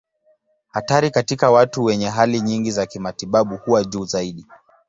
Hatari katika watu wenye hali nyingi za kimatibabu huwa juu zaidi.